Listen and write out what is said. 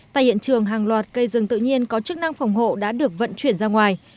tại hiện trường hàng loạt cây rừng tự nhiên có chức năng phòng hộ đã được vận chuyển ra ngoài